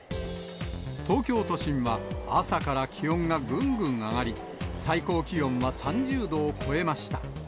東京都心は、朝から気温がぐんぐん上がり、最高気温は３０度を超えました。